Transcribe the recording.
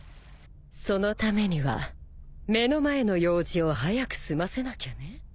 そのためには目の前の用事を早く済ませなきゃね。